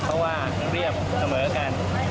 เพราะว่าเรียบเสมอกัน